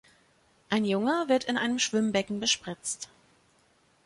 Ein Junge wird in einem Schwimmbecken bespritzt